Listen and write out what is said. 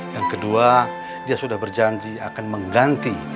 yang kedua dia sudah berjanji akan mengganti